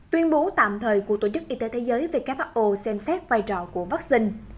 tuyên bố tạm thời của tổ chức y tế thế giới who xem xét vai trò của vaccine